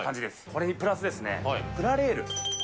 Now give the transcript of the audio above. それにプラスですね、プラレール。